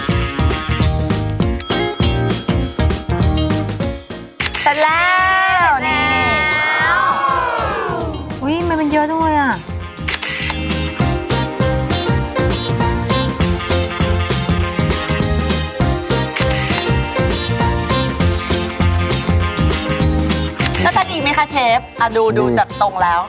อุ้ยนั้นจะดีไหมคะเชฟอ่าดูดูจัดตรงแล้ว